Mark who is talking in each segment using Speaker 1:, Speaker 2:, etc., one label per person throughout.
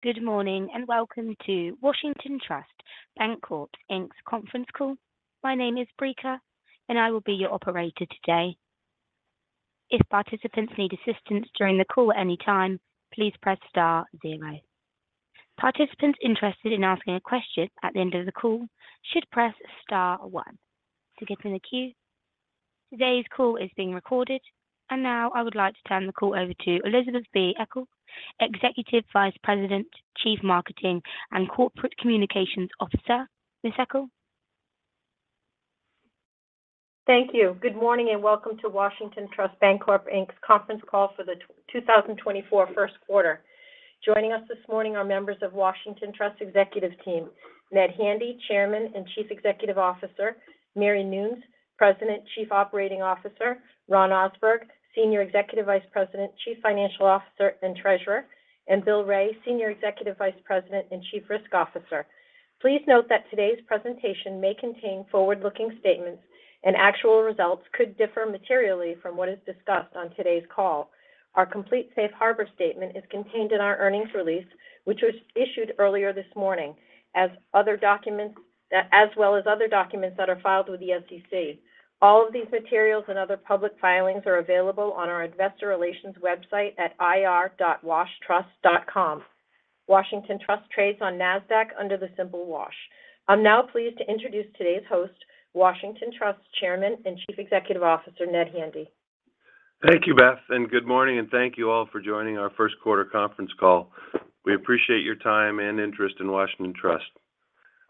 Speaker 1: Good morning and welcome to Washington Trust Bancorp, Inc.'s conference call. My name is Brika, and I will be your operator today. If participants need assistance during the call at any time, please press star 0. Participants interested in asking a question at the end of the call should press star one to give them the cue. Today's call is being recorded, and now I would like to turn the call over to Elizabeth B. Eckel, Executive Vice President, Chief Marketing and Corporate Communications Officer. Ms. Eckel?
Speaker 2: Thank you. Good morning and welcome to Washington Trust Bancorp Inc.'s conference call for the 2024 first quarter. Joining us this morning are members of Washington Trust's executive team: Ned Handy, Chairman and Chief Executive Officer; Mary Noons, President, Chief Operating Officer; Ron Ohsberg, Senior Executive Vice President, Chief Financial Officer and Treasurer; and Bill Wray, Senior Executive Vice President and Chief Risk Officer. Please note that today's presentation may contain forward-looking statements, and actual results could differ materially from what is discussed on today's call. Our complete safe harbor statement is contained in our earnings release, which was issued earlier this morning, as well as other documents that are filed with the SEC. All of these materials and other public filings are available on our investor relations website at ir.washtrust.com. Washington Trust trades on NASDAQ under the symbol WASH. I'm now pleased to introduce today's host, Washington Trust's Chairman and Chief Executive Officer Ned Handy.
Speaker 3: Thank you, Beth, and good morning, and thank you all for joining our first quarter conference call. We appreciate your time and interest in Washington Trust.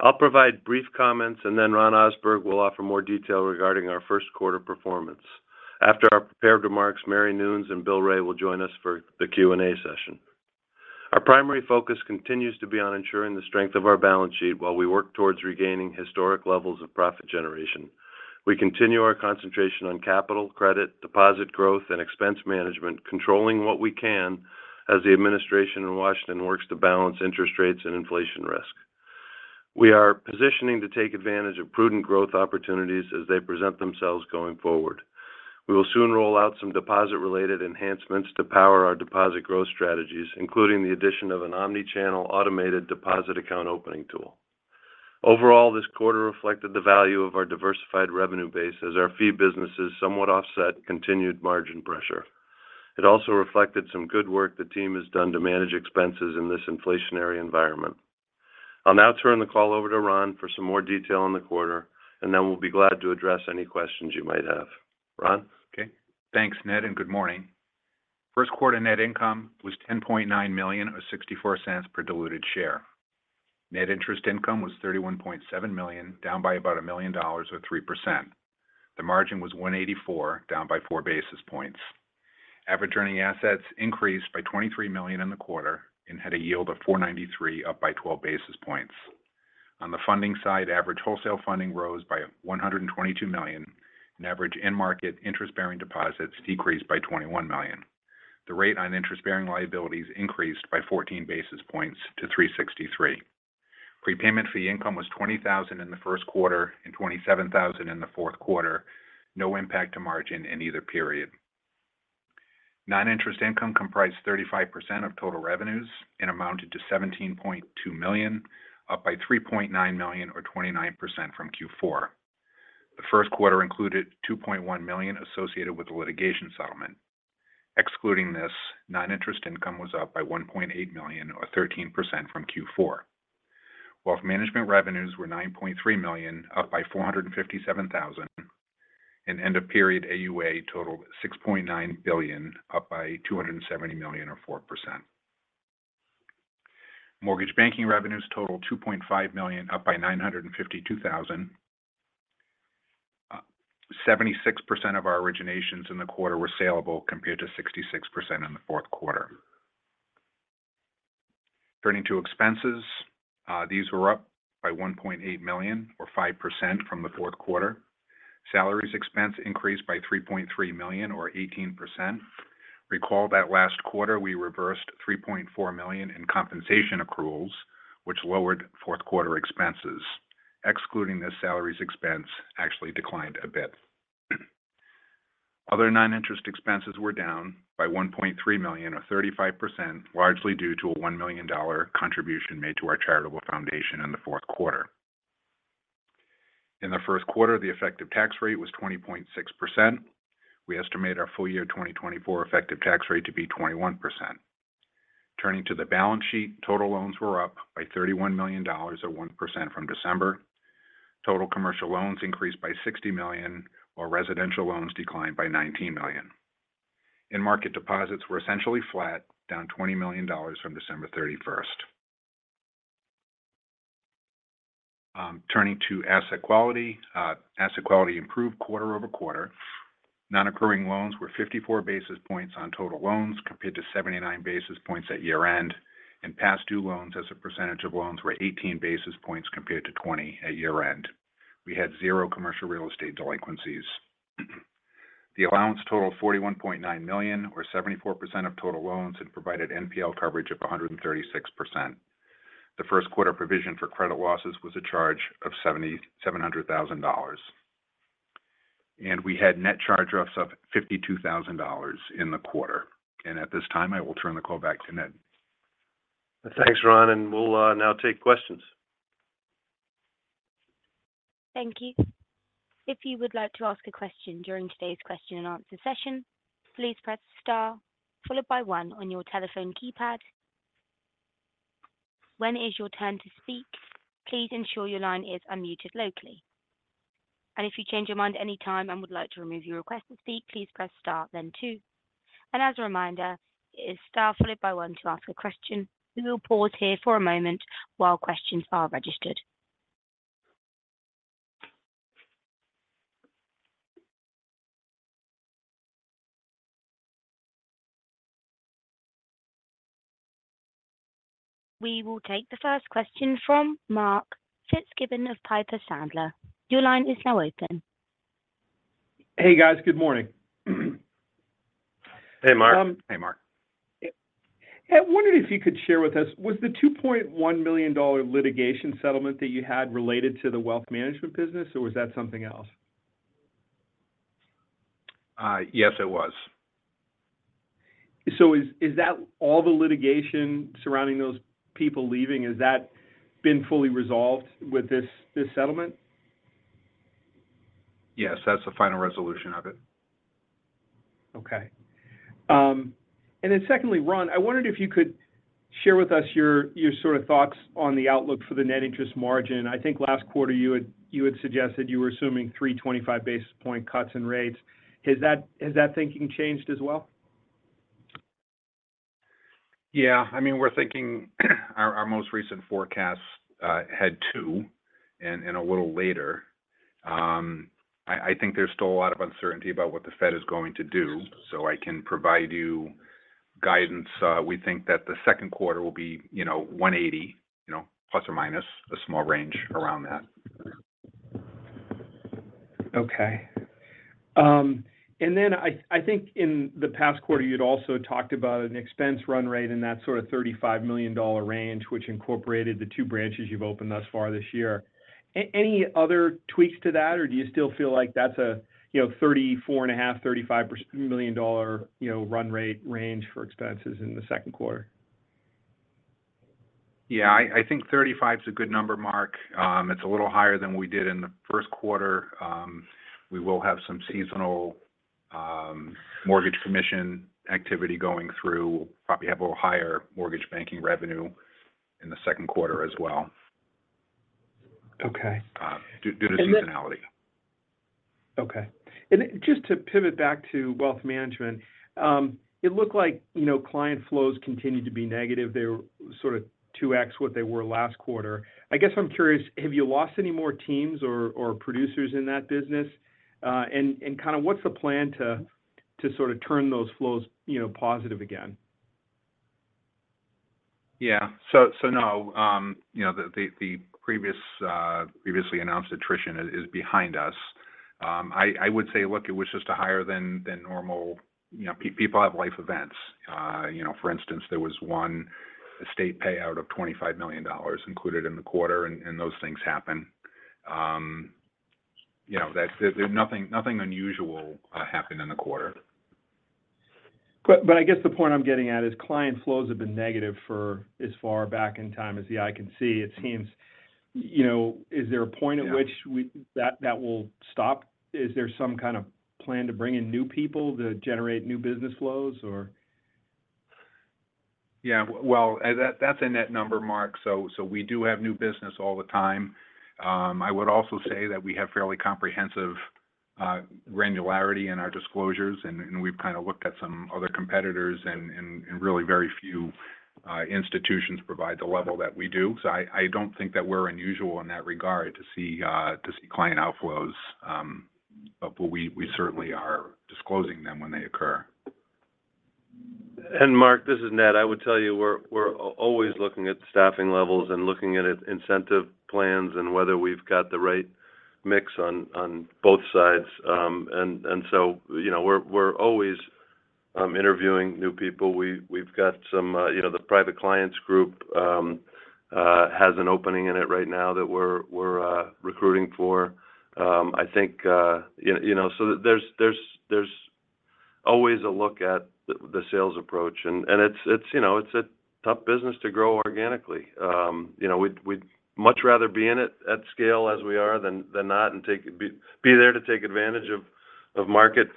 Speaker 3: I'll provide brief comments, and then Ron Ohsberg will offer more detail regarding our first quarter performance. After our prepared remarks, Mary Noons and Bill Wray will join us for the Q&A session. Our primary focus continues to be on ensuring the strength of our balance sheet while we work towards regaining historic levels of profit generation. We continue our concentration on capital, credit, deposit growth, and expense management, controlling what we can as the administration in Washington works to balance interest rates and inflation risk. We are positioning to take advantage of prudent growth opportunities as they present themselves going forward. We will soon roll out some deposit-related enhancements to power our deposit growth strategies, including the addition of an omnichannel automated deposit account opening tool. Overall, this quarter reflected the value of our diversified revenue base as our fee businesses somewhat offset continued margin pressure. It also reflected some good work the team has done to manage expenses in this inflationary environment. I'll now turn the call over to Ron for some more detail on the quarter, and then we'll be glad to address any questions you might have. Ron?
Speaker 4: Okay. Thanks, Ned, and good morning. First quarter net income was $10.9 million or $0.64 per diluted share. Net interest income was $31.7 million, down by about $1 million or 3%. The margin was 184, down by four basis points. Average earning assets increased by $23 million in the quarter and had a yield of 493, up by 12 basis points. On the funding side, average wholesale funding rose by $122 million, and average in-market interest-bearing deposits decreased by $21 million. The rate on interest-bearing liabilities increased by 14 basis points to 363. Prepayment fee income was $20,000 in the first quarter and $27,000 in the fourth quarter, no impact to margin in either period. Non-interest income comprised 35% of total revenues and amounted to $17.2 million, up by $3.9 million or 29% from Q4. The first quarter included $2.1 million associated with a litigation settlement. Excluding this, Non-Interest Income was up by $1.8 million or 13% from Q4. Wealth Management revenues were $9.3 million, up by $457,000. End-of-period AUA totaled $6.9 billion, up by $270 million or 4%. Mortgage Banking revenues totaled $2.5 million, up by $952,000. 76% of our originations in the quarter were saleable compared to 66% in the fourth quarter. Turning to expenses, these were up by $1.8 million or 5% from the fourth quarter. Salaries expense increased by $3.3 million or 18%. Recall that last quarter we reversed $3.4 million in compensation accruals, which lowered fourth quarter expenses. Excluding this, salaries expense actually declined a bit. Other Non-Interest expenses were down by $1.3 million or 35%, largely due to a $1 million contribution made to our charitable foundation in the fourth quarter. In the first quarter, the Effective Tax Rate was 20.6%. We estimate our full year 2024 effective tax rate to be 21%. Turning to the balance sheet, total loans were up by $31 million or 1% from December. Total commercial loans increased by $60 million, while residential loans declined by $19 million. In-market deposits were essentially flat, down $20 million from December 31st. Turning to asset quality, asset quality improved quarter-over-quarter. Non-accruing loans were 54 basis points on total loans compared to 79 basis points at year-end, and past-due loans as a percentage of loans were 18 basis points compared to 20 at year-end. We had zero commercial real estate delinquencies. The allowance totaled $41.9 million or 74% of total loans and provided NPL coverage of 136%. The first quarter provision for credit losses was a charge of $700,000. We had net charge-offs of $52,000 in the quarter. At this time, I will turn the call back to Ned.
Speaker 3: Thanks, Ron, and we'll now take questions.
Speaker 1: Thank you. If you would like to ask a question during today's question and answer session, please press star followed by one on your telephone keypad. When it is your turn to speak, please ensure your line is unmuted locally. If you change your mind at any time and would like to remove your request to speak, please press star then two. As a reminder, it is star followed by one to ask a question. We will pause here for a moment while questions are registered. We will take the first question from Mark Fitzgibbon of Piper Sandler. Your line is now open.
Speaker 5: Hey, guys. Good morning.
Speaker 3: Hey, Mark.
Speaker 4: Hey, Mark.
Speaker 5: Yeah. I wondered if you could share with us, was the $2.1 million litigation settlement that you had related to the wealth management business, or was that something else?
Speaker 3: Yes, it was.
Speaker 5: Is that all the litigation surrounding those people leaving? Has that been fully resolved with this settlement?
Speaker 3: Yes, that's the final resolution of it.
Speaker 5: Okay. Secondly, Ron, I wondered if you could share with us your sort of thoughts on the outlook for the net interest margin. I think last quarter you had suggested you were assuming 325 basis points cuts in rates. Has that thinking changed as well?
Speaker 3: Yeah. I mean, our most recent forecast had two and a little later. I think there's still a lot of uncertainty about what the Fed is going to do. So I can provide you guidance. We think that the second quarter will be 180, ± a small range around that.
Speaker 5: Okay. Then I think in the past quarter, you'd also talked about an expense run rate in that sort of $35 million range, which incorporated the two branches you've opened thus far this year. Any other tweaks to that, or do you still feel like that's a $34.5 million-$35 million run rate range for expenses in the second quarter?
Speaker 3: Yeah, I think 35 is a good number, Mark. It's a little higher than we did in the first quarter. We will have some seasonal mortgage commission activity going through. We'll probably have a little higher mortgage banking revenue in the second quarter as well due to seasonality.
Speaker 5: Okay. And just to pivot back to wealth management, it looked like client flows continued to be negative. They were sort of 2x what they were last quarter. I guess I'm curious, have you lost any more teams or producers in that business? And kind of what's the plan to sort of turn those flows positive again?
Speaker 3: Yeah. So no, the previously announced attrition is behind us. I would say, look, it was just a higher than normal people have life events. For instance, there was one estate payout of $25 million included in the quarter, and those things happen. Nothing unusual happened in the quarter.
Speaker 5: I guess the point I'm getting at is client flows have been negative for as far back in time as the eye can see. It seems, is there a point at which that will stop? Is there some kind of plan to bring in new people to generate new business flows, or?
Speaker 3: Yeah. Well, that's a net number, Mark. So we do have new business all the time. I would also say that we have fairly comprehensive granularity in our disclosures, and we've kind of looked at some other competitors, and really very few institutions provide the level that we do. So I don't think that we're unusual in that regard to see client outflows, but we certainly are disclosing them when they occur. Mark, this is Ned. I would tell you we're always looking at staffing levels and looking at incentive plans and whether we've got the right mix on both sides. So we're always interviewing new people. We've got some, the Private Clients Group has an opening in it right now that we're recruiting for. I think. So there's always a look at the sales approach, and it's a tough business to grow organically. We'd much rather be in it at scale as we are than not and be there to take advantage of market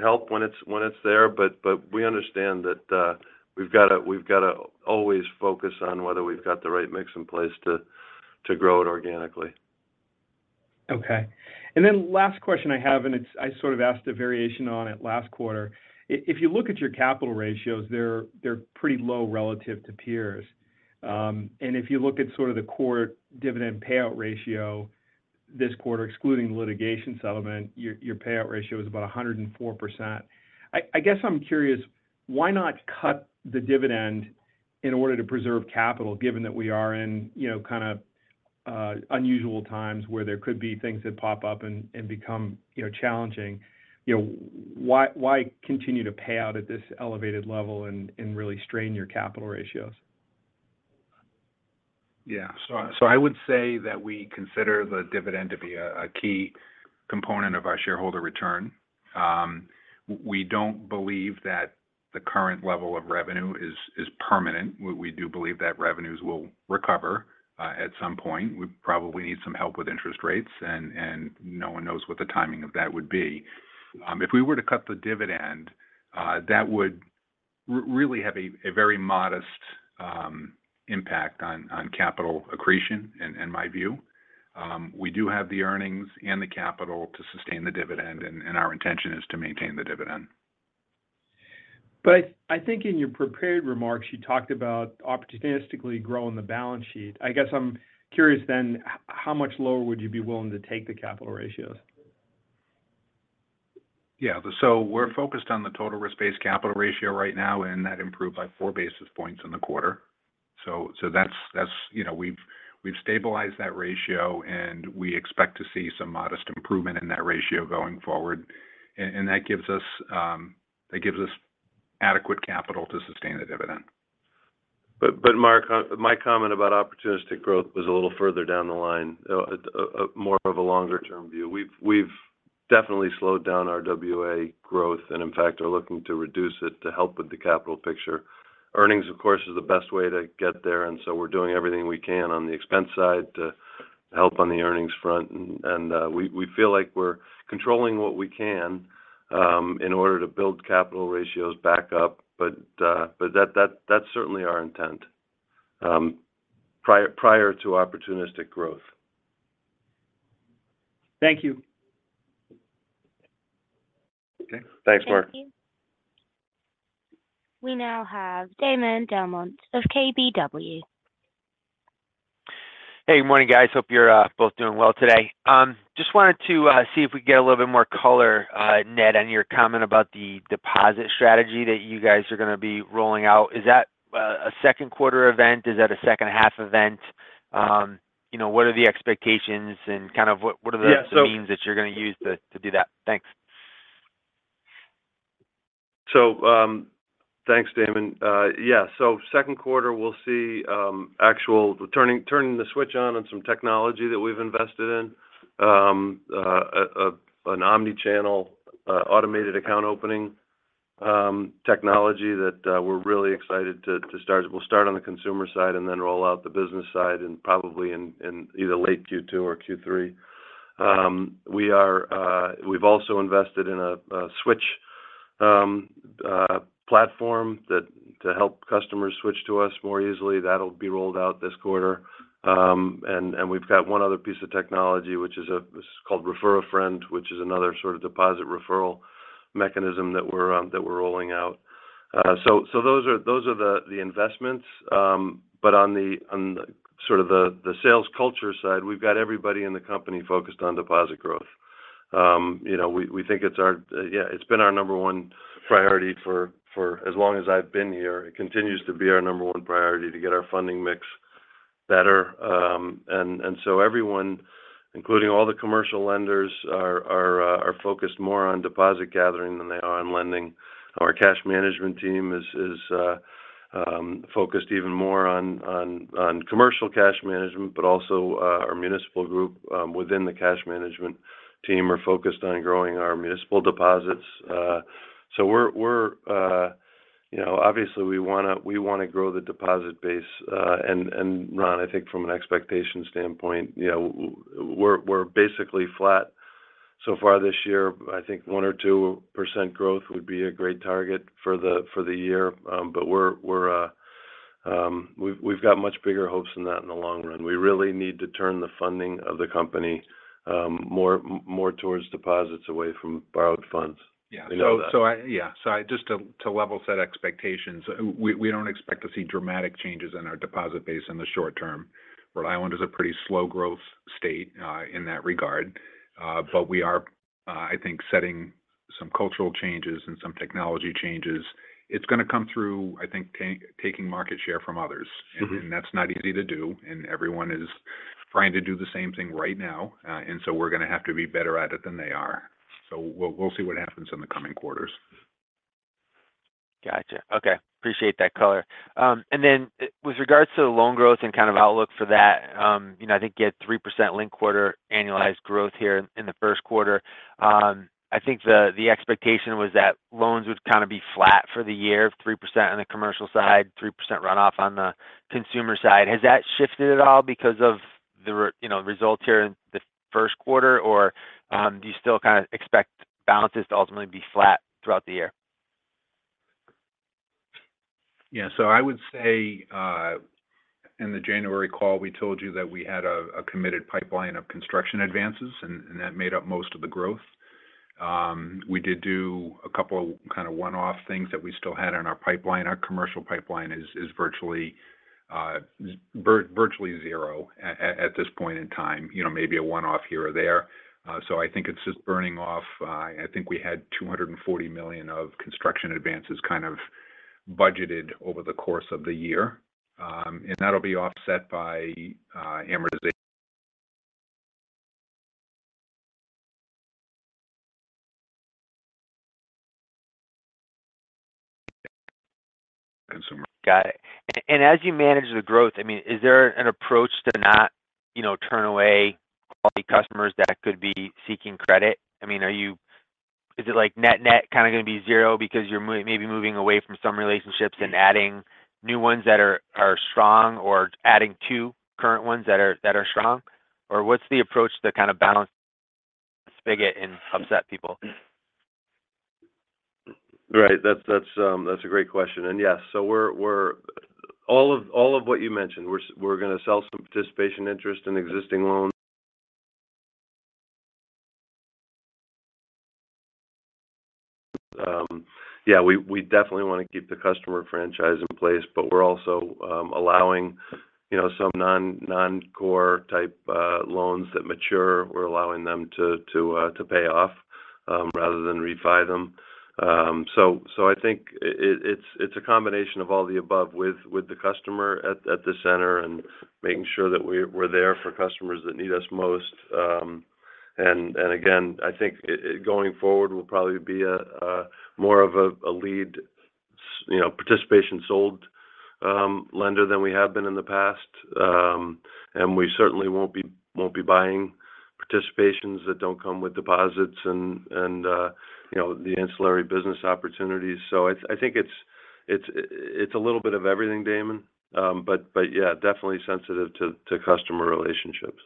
Speaker 3: help when it's there. But we understand that we've got to always focus on whether we've got the right mix in place to grow it organically.
Speaker 5: Okay. And then last question I have, and I sort of asked a variation on it last quarter. If you look at your capital ratios, they're pretty low relative to peers. And if you look at sort of the core dividend payout ratio this quarter, excluding the litigation settlement, your payout ratio is about 104%. I guess I'm curious, why not cut the dividend in order to preserve capital, given that we are in kind of unusual times where there could be things that pop up and become challenging? Why continue to pay out at this elevated level and really strain your capital ratios?
Speaker 3: Yeah. So I would say that we consider the dividend to be a key component of our shareholder return. We don't believe that the current level of revenue is permanent. We do believe that revenues will recover at some point. We probably need some help with interest rates, and no one knows what the timing of that would be. If we were to cut the dividend, that would really have a very modest impact on capital accretion, in my view. We do have the earnings and the capital to sustain the dividend, and our intention is to maintain the dividend.
Speaker 5: But I think in your prepared remarks, you talked about opportunistically growing the balance sheet. I guess I'm curious then, how much lower would you be willing to take the capital ratios?
Speaker 3: Yeah. So we're focused on the total risk-based capital ratio right now, and that improved by 4 basis points in the quarter. So we've stabilized that ratio, and we expect to see some modest improvement in that ratio going forward. And that gives us adequate capital to sustain the dividend. But Mark, my comment about opportunistic growth was a little further down the line, more of a longer-term view. We've definitely slowed down our RWA growth and, in fact, are looking to reduce it to help with the capital picture. Earnings, of course, is the best way to get there, and so we're doing everything we can on the expense side to help on the earnings front. And we feel like we're controlling what we can in order to build capital ratios back up, but that's certainly our intent prior to opportunistic growth.
Speaker 5: Thank you.
Speaker 3: Okay. Thanks, Mark.
Speaker 1: Thank you. We now have Damon DelMonte of KBW.
Speaker 6: Hey, good morning, guys. Hope you're both doing well today. Just wanted to see if we could get a little bit more color, Ned, on your comment about the deposit strategy that you guys are going to be rolling out. Is that a second quarter event? Is that a second-half event? What are the expectations, and kind of what are the means that you're going to use to do that? Thanks.
Speaker 3: So thanks, Damon. Yeah. So second quarter, we'll see actually turning the switch on on some technology that we've invested in, an omnichannel automated account opening technology that we're really excited to start. We'll start on the consumer side and then roll out the business side probably in either late Q2 or Q3. We've also invested in a switch platform to help customers switch to us more easily. That'll be rolled out this quarter. And we've got one other piece of technology, which is called Refer a Friend, which is another sort of deposit referral mechanism that we're rolling out. So those are the investments. But on sort of the sales culture side, we've got everybody in the company focused on deposit growth. We think it's our yeah, it's been our number one priority for as long as I've been here. It continues to be our number one priority to get our funding mix better. And so everyone, including all the commercial lenders, are focused more on deposit gathering than they are on lending. Our cash management team is focused even more on commercial cash management, but also our municipal group within the cash management team are focused on growing our municipal deposits. So obviously, we want to grow the deposit base. And Ron, I think from an expectation standpoint, we're basically flat so far this year. I think 1% or 2% growth would be a great target for the year, but we've got much bigger hopes than that in the long run. We really need to turn the funding of the company more towards deposits away from borrowed funds. We know that.
Speaker 6: Yeah. So just to level set expectations, we don't expect to see dramatic changes in our deposit base in the short term. Rhode Island is a pretty slow growth state in that regard, but we are, I think, setting some cultural changes and some technology changes. It's going to come through, I think, taking market share from others, and that's not easy to do. And everyone is trying to do the same thing right now, and so we're going to have to be better at it than they are. So we'll see what happens in the coming quarters. Gotcha. Okay. Appreciate that color. And then with regards to the loan growth and kind of outlook for that, I think you had 3% linked quarter annualized growth here in the first quarter. I think the expectation was that loans would kind of be flat for the year, 3% on the commercial side, 3% runoff on the consumer side. Has that shifted at all because of the results here in the first quarter, or do you still kind of expect balances to ultimately be flat throughout the year?
Speaker 3: Yeah. So I would say in the January call, we told you that we had a committed pipeline of construction advances, and that made up most of the growth. We did do a couple of kind of one-off things that we still had on our pipeline. Our commercial pipeline is virtually zero at this point in time, maybe a one-off here or there. So I think it's just burning off. I think we had $240 million of construction advances kind of budgeted over the course of the year, and that'll be offset by amortization consumer.
Speaker 6: Got it. And as you manage the growth, I mean, is there an approach to not turn away quality customers that could be seeking credit? I mean, is it net-net kind of going to be zero because you're maybe moving away from some relationships and adding new ones that are strong or adding two current ones that are strong? Or what's the approach to kind of balance spigot and upset people?
Speaker 3: Right. That's a great question. And yes, so all of what you mentioned, we're going to sell some participation interest in existing loans. Yeah, we definitely want to keep the customer franchise in place, but we're also allowing some non-core type loans that mature. We're allowing them to pay off rather than refi them. So I think it's a combination of all the above with the customer at the center and making sure that we're there for customers that need us most. And again, I think going forward, we'll probably be more of a lead participation-sold lender than we have been in the past. And we certainly won't be buying participations that don't come with deposits and the ancillary business opportunities. So I think it's a little bit of everything, Damon, but yeah, definitely sensitive to customer relationships.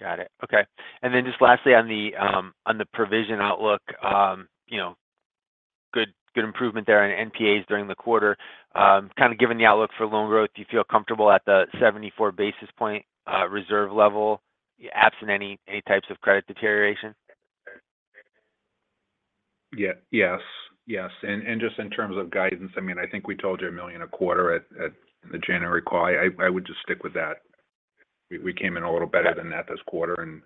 Speaker 6: Got it. Okay. And then just lastly, on the provision outlook, good improvement there in NPAs during the quarter. Kind of given the outlook for loan growth, do you feel comfortable at the 74 basis point reserve level, absent any types of credit deterioration?
Speaker 3: Yes. Yes. Just in terms of guidance, I mean, I think we told you $1 million a quarter in the January call. I would just stick with that. We came in a little better than that this quarter, and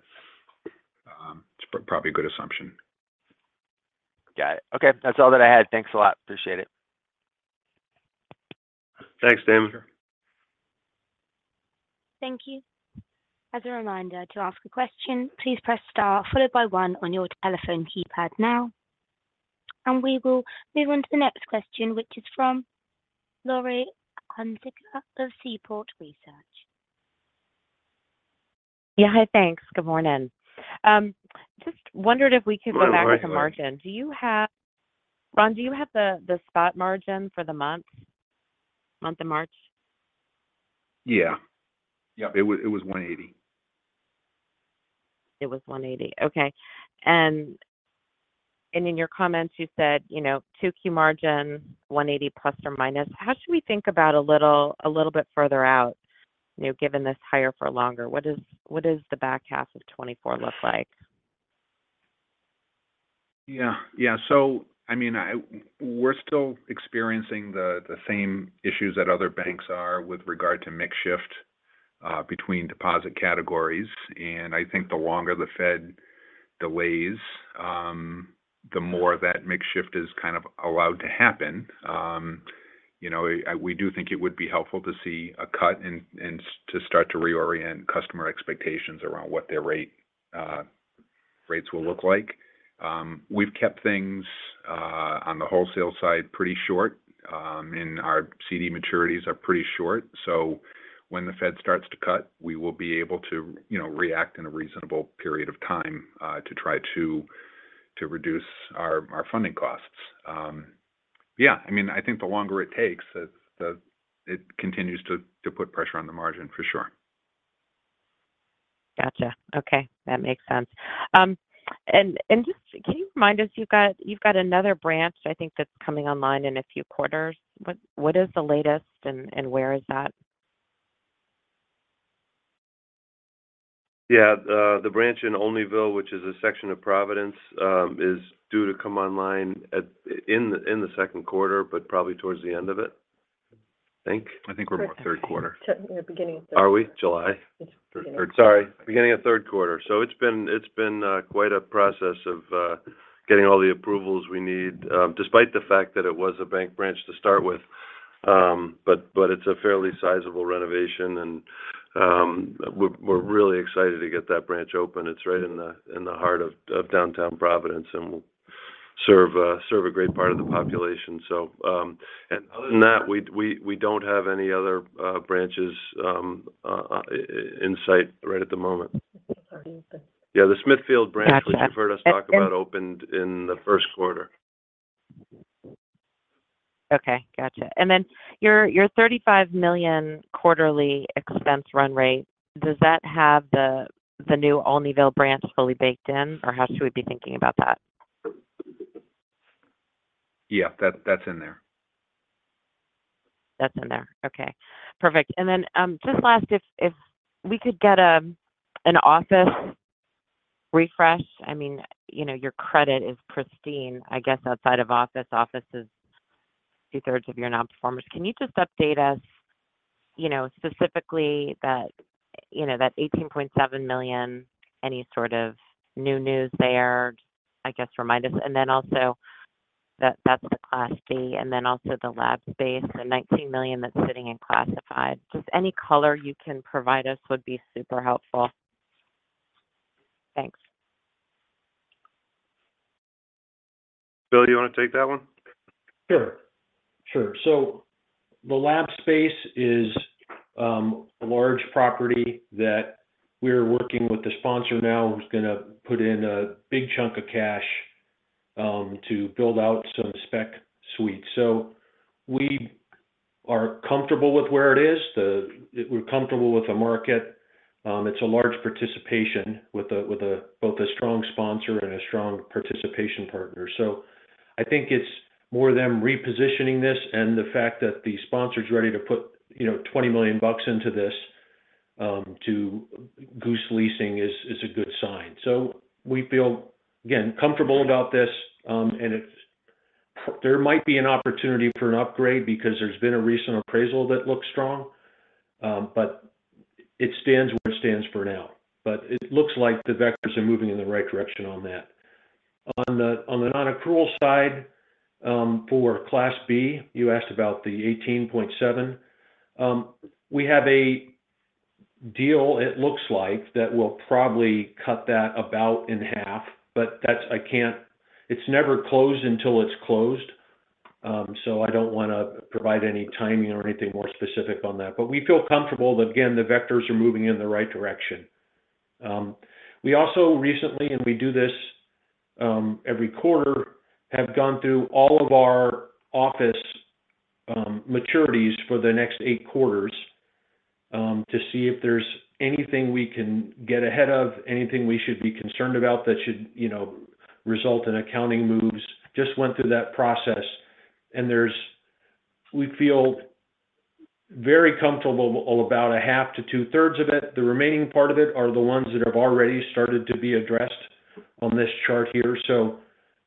Speaker 3: it's probably a good assumption.
Speaker 6: Got it. Okay. That's all that I had. Thanks a lot. Appreciate it.
Speaker 5: Thanks, Damon.
Speaker 1: Thank you. As a reminder, to ask a question, please press star followed by one on your telephone keypad now. We will move on to the next question, which is from Laurie Hunsicker of Seaport Research.
Speaker 7: Yeah. Hi. Thanks. Good morning. Just wondered if we could go back with the margin. Ron, do you have the spot margin for the month, month of March?
Speaker 3: Yeah. Yeah. It was 180.
Speaker 7: It was 180. Okay. And in your comments, you said 2Q margin, 180 ±. How should we think about a little bit further out, given this higher for longer? What does the back half of 2024 look like?
Speaker 3: Yeah. Yeah. So I mean, we're still experiencing the same issues that other banks are with regard to mix shift between deposit categories. And I think the longer the Fed delays, the more that mix shift is kind of allowed to happen. We do think it would be helpful to see a cut and to start to reorient customer expectations around what their rates will look like. We've kept things on the wholesale side pretty short, and our CD maturities are pretty short. So when the Fed starts to cut, we will be able to react in a reasonable period of time to try to reduce our funding costs. Yeah. I mean, I think the longer it takes, it continues to put pressure on the margin for sure.
Speaker 7: Gotcha. Okay. That makes sense. Can you remind us, you've got another branch, I think, that's coming online in a few quarters. What is the latest, and where is that?
Speaker 3: Yeah. The branch in Olneyville, which is a section of Providence, is due to come online in the second quarter, but probably towards the end of it, I think. I think we're more third quarter.
Speaker 7: Beginning of third.
Speaker 3: Are we? July? Sorry. Beginning of third quarter. So it's been quite a process of getting all the approvals we need, despite the fact that it was a bank branch to start with. But it's a fairly sizable renovation, and we're really excited to get that branch open. It's right in the heart of downtown Providence, and we'll serve a great part of the population. Other than that, we don't have any other branches in sight right at the moment.
Speaker 7: It's already open.
Speaker 3: Yeah. The Smithfield branch, which you've heard us talk about, opened in the first quarter.
Speaker 7: Okay. Gotcha. And then your $35 million quarterly expense run rate, does that have the new Olneyville branch fully baked in, or how should we be thinking about that?
Speaker 3: Yeah. That's in there.
Speaker 7: That's in there. Okay. Perfect. And then just last, if we could get an office refresh. I mean, your credit is pristine, I guess, outside of office. Office is two-thirds of your non-performers. Can you just update us specifically that $18.7 million, any sort of new news there, I guess, remind us? And then also, that's the class B, and then also the lab space, the $19 million that's sitting in classified. Just any color you can provide us would be super helpful. Thanks.
Speaker 3: Bill, you want to take that one?
Speaker 8: Sure. Sure. So the lab space is a large property that we're working with the sponsor now who's going to put in a big chunk of cash to build out some spec suites. So we are comfortable with where it is. We're comfortable with the market. It's a large participation with both a strong sponsor and a strong participation partner. So I think it's more them repositioning this and the fact that the sponsor's ready to put $20 million into this to goose leasing is a good sign. So we feel, again, comfortable about this, and there might be an opportunity for an upgrade because there's been a recent appraisal that looks strong, but it stands where it stands for now. But it looks like the vectors are moving in the right direction on that. On the non-accrual side for Class B, you asked about the 18.7. We have a deal, it looks like, that will probably cut that about in half, but it's never closed until it's closed. So I don't want to provide any timing or anything more specific on that. But we feel comfortable that, again, the vectors are moving in the right direction. We also recently, and we do this every quarter, have gone through all of our office maturities for the next eight quarters to see if there's anything we can get ahead of, anything we should be concerned about that should result in accounting moves. Just went through that process. And we feel very comfortable about a half to two-thirds of it. The remaining part of it are the ones that have already started to be addressed on this chart here.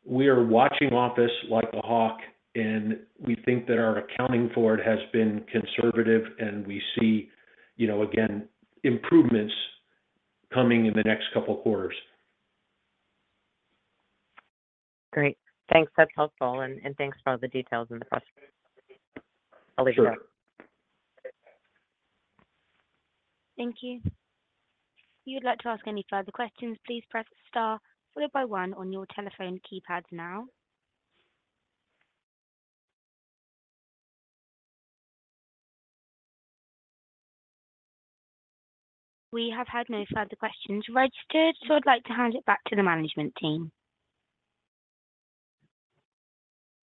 Speaker 8: We are watching office like a hawk, and we think that our allowance for has been conservative, and we see, again, improvements coming in the next couple of quarters.
Speaker 7: Great. Thanks. That's helpful, and thanks for all the details and the pressure, Elizabeth.
Speaker 1: Thank you. If you would like to ask any further questions, please press star followed by one on your telephone keypads now. We have had no further questions registered, so I'd like to hand it back to the management team.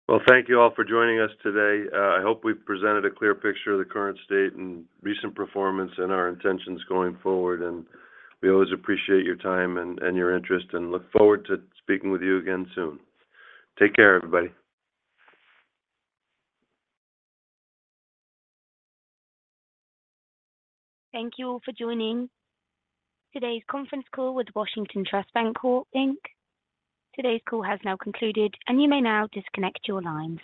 Speaker 3: Well, thank you all for joining us today. I hope we've presented a clear picture of the current state and recent performance and our intentions going forward. And we always appreciate your time and your interest and look forward to speaking with you again soon. Take care, everybody.
Speaker 1: Thank you for joining today's conference call with Washington Trust Bancorp, Inc. Today's call has now concluded, and you may now disconnect your lines.